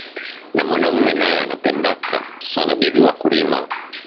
Na mwanaume naye anapendaka sana bibi waku rima